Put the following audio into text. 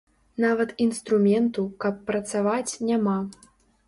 Нават інструменту, каб працаваць, няма.